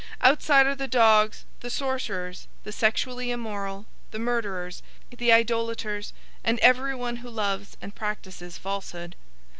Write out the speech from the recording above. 022:015 Outside are the dogs, the sorcerers, the sexually immoral, the murderers, the idolaters, and everyone who loves and practices falsehood.